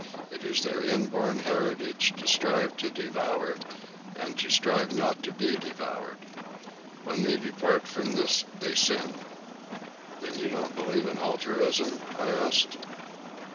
It is their inborn heritage to strive to devour, and to strive not to be devoured. When they depart from this they sin." "Then you don't believe in altruism?" I asked.